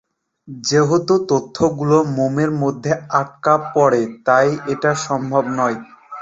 যেহেতু তন্তুগুলো মোমের মধ্যে আটকা পড়ে তাই এটা সম্ভব নয়।